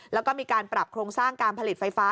แล้วก็มีการปรับโครงสร้างการผลิตไฟฟ้า